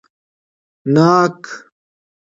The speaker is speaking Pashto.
🍐ناک